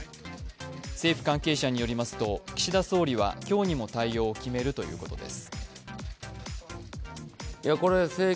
政府関係者によりますと、岸田総理は今日にも対応を決めるということです。